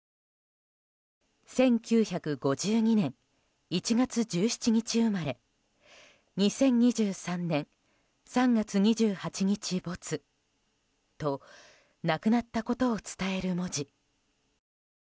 「１９５２年１月１７日生まれ２０２３年３月２８日没」と亡くなったことを伝える文字。